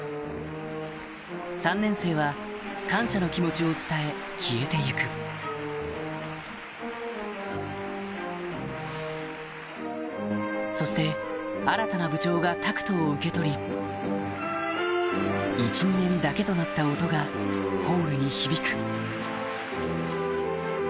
３年生は感謝の気持ちを伝え消えて行くそして新たな部長がタクトを受け取り１・２年だけとなった音がホールに響く